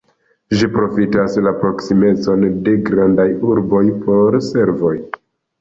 Ĝi profitas la proksimecon de grandaj urboj por servoj.